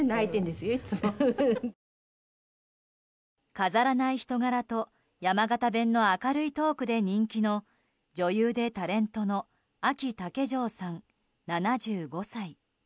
飾らない人柄と山形弁の明るいトークで人気の女優でタレントのあき竹城さん、７５歳。